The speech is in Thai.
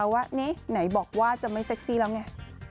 ว่าไหนบอกว่าจะไม่เซ็กซี่แล้วไง